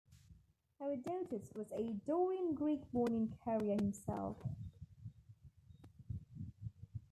Herodotus was a Dorian Greek born in Caria himself.